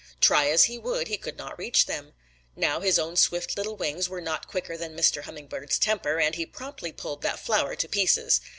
Try as he would he could not reach them. Now his own swift little wings were not quicker than Mr. Hummingbird's temper, and he promptly pulled that flower to pieces.